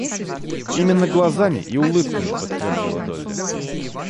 Именно глазами и улыбками, — подтвердила Долли.